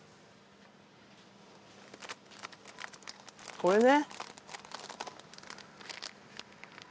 これね。